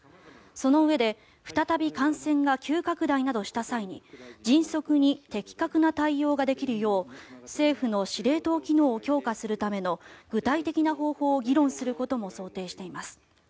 そのうえで再び感染が急拡大などした際に迅速に的確な対応ができるよう政府の司令塔機能を強化するための具体的な方法を議論することも想定しています。